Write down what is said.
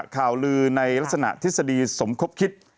ข่าวลือในลักษณะทฤษฎีสมคบคิด